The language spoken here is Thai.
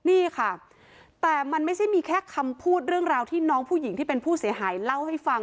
นี่ค่ะแต่มันไม่ใช่มีแค่คำพูดเรื่องราวที่น้องผู้หญิงที่เป็นผู้เสียหายเล่าให้ฟัง